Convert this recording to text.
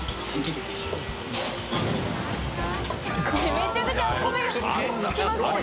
めちゃくちゃお米が付きまくってる。